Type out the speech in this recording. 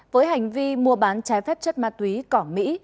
với hành vi mua bán trái phép chất ma túy cỏng mỹ